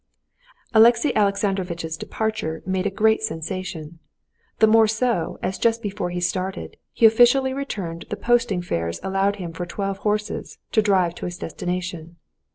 Alexey Alexandrovitch's departure made a great sensation, the more so as just before he started he officially returned the posting fares allowed him for twelve horses, to drive to his destination.